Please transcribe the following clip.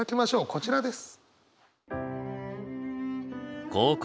こちらです。